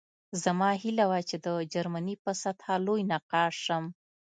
زما هیله وه چې د جرمني په سطحه لوی نقاش شم